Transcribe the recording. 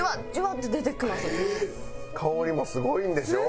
香りもすごいんでしょ？